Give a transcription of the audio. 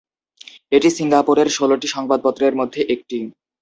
এটি সিঙ্গাপুরের ষোলটি সংবাদপত্রের মধ্যে একটি।